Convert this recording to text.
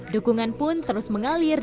dukungan pun terus mengalir